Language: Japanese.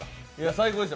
最高でした。